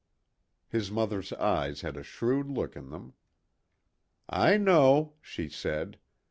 His mother's eyes had a shrewd look in them. "I know," she said.